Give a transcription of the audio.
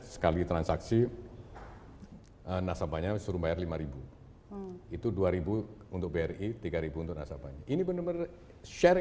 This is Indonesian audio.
sekali transaksi nasabahnya suruh bayar rp lima itu rp dua untuk bri rp tiga untuk nasabahnya ini benar benar sharing ini bisa dibayar kebanyakan